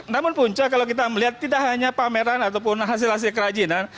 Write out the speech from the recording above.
namun punca kalau kita melihat tidak hanya pameran ataupun hasil hasil kerajinan